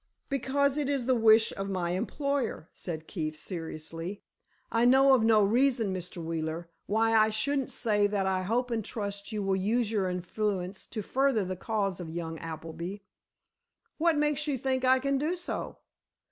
"Because it is the wish of my employer," said Keefe, seriously. "I know of no reason, Mr. Wheeler, why I shouldn't say that I hope and trust you will use your influence to further the cause of young Appleby." "What makes you think I can do so?"